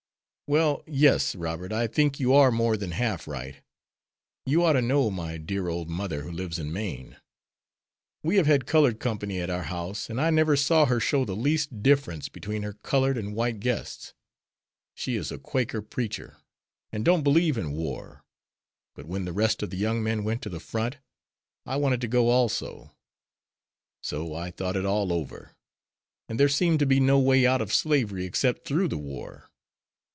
"Well, yes, Robert, I think you are more than half right. You ought to know my dear, old mother who lives in Maine. We have had colored company at our house, and I never saw her show the least difference between her colored and white guests. She is a Quaker preacher, and don't believe in war, but when the rest of the young men went to the front, I wanted to go also. So I thought it all over, and there seemed to be no way out of slavery except through the war.